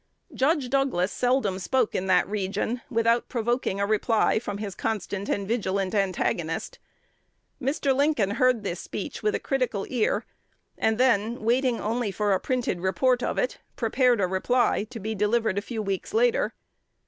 Judge Douglas seldom spoke in that region without provoking a reply from his constant and vigilant antagonist. Mr. Lincoln heard this speech with a critical ear, and then, waiting only for a printed report of it, prepared a reply to be delivered a few weeks later.